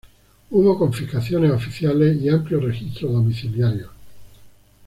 Hubo confiscaciones oficiales y amplios registros domiciliarios.